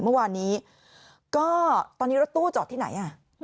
เมื่อวานนี้ก็ตอนนี้รถตู้จอดที่ไหนอ่ะ